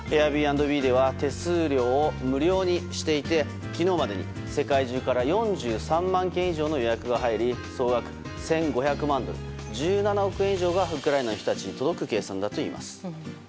Ａｉｒｂｎｂでは手数料を無料にしていて昨日までに世界中から４３万件以上の予約が入り総額１５００万ドル１７億円以上がウクライナの人たちに届く計算だといいます。